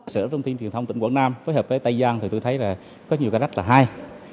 sở thông tin truyền thông tỉnh quảng nam phối hợp với tây giang thì tôi thấy là có nhiều cái rất là hay